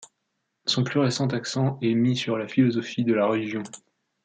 Son plus récent accent est mis sur la philosophie de la religion.